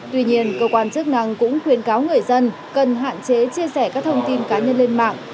tuy nhiên cơ quan chức năng cũng khuyến cáo người dân cần hạn chế chia sẻ các thông tin cá nhân lên mạng